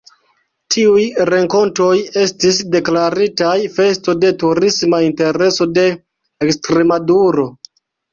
Tiuj renkontoj estis deklaritaj Festo de Turisma Intereso de Ekstremaduro.